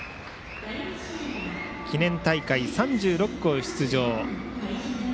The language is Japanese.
記念大会３６校出場。